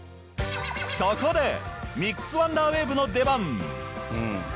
そこでミックスワンダーウェーブの出番。